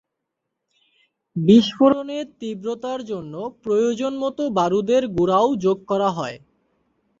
বিস্ফোরণের তীব্রতার জন্য প্রয়োজনমতো বারুদের গুঁড়াও যোগ করা হয়।